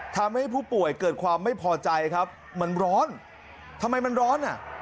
ทำให้ผู้ป่วยเกิดความไม่พอใจครับมันร้อนทำไมมันร้อนอ่ะ